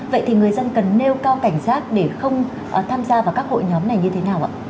vậy thì người dân cần nêu cao cảnh giác để không tham gia vào các hội nhóm này như thế nào ạ